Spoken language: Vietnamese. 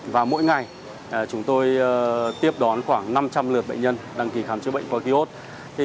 và mỗi ngày chúng tôi tiếp đón khoảng năm trăm linh lượt bệnh nhân đăng ký khám chữa bệnh